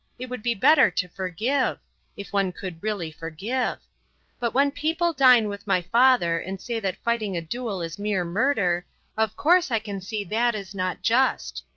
It would be better to forgive if one could really forgive. But when people dine with my father and say that fighting a duel is mere murder of course I can see that is not just.